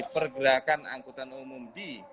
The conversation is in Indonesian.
pergerakan angkutan umum di